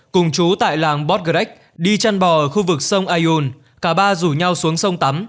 cùng chú tại làng bot grec đi chăn bò ở khu vực sông aion cả ba rủ nhau xuống sông tắm